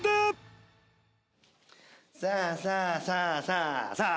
さあさあさあさあさあ。